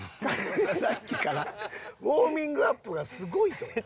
さっきからウォーミングアップがすごいど。